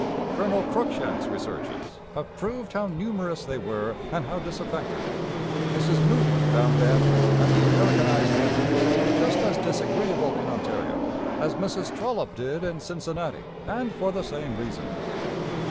Colonel Cruikshanks's researches have proved how numerous they were and how disaffected. Mrs Moodie found them and the Americanized natives just as disagreeable in Ontario as Mrs Trollope did in Cincinnati, and for the same reasons.